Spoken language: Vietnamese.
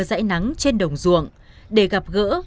dãy nắng trên đồng ruộng để gặp gỡ